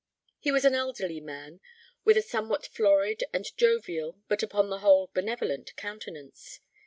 He was an elderly man, with a somewhat florid and jovial, but upon the whole, benevolent countenance.